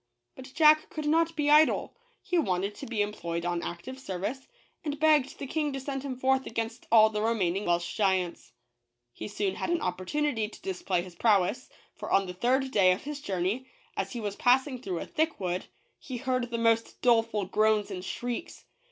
But Jack could not be idle. He wanted to be employed on active service, and begged the King to send him forth against all the remaining Welsh giants. H e soon had an opportunity to display his prowess ; for on the third day of his journey, as he was passing through a thick wood, he heard the most doleful groans and shrieks.